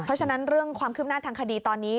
เพราะฉะนั้นเรื่องความคืบหน้าทางคดีตอนนี้